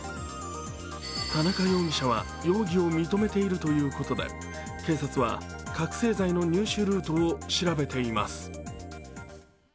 田中容疑者は容疑を認めているということで、警察は、覚醒剤の入手ルートを調べています。